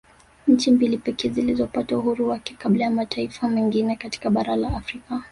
Nchi mbili pekee zilizopata uhuru wake kabla ya mataifa mengina katika bara la Afrika